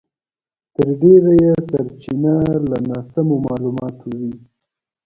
تر ډېره یې سرچينه له ناسمو مالوماتو وي.